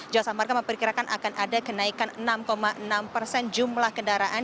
jasa marga memperkirakan akan ada kenaikan enam enam persen jumlah kendaraan